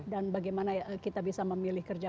dan bagaimana kita bisa memilih kerja